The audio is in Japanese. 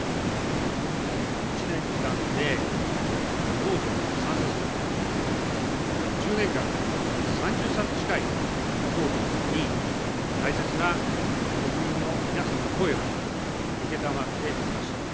１年間でノート３冊分、１０年間で３０冊近いこのノートに、大切な国民の皆さんの声を承ってきました。